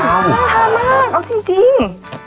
มักเอาจริง